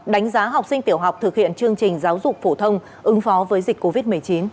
đánh giá học sinh tiểu học thực hiện chương trình giáo dục phổ thông ứng phó với dịch covid một mươi chín